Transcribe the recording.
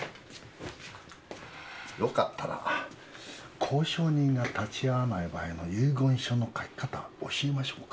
よかったら公証人が立ち会わない場合の遺言書の書き方教えましょうか？